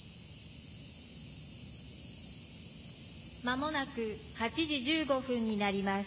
まもなく８時１５分になります。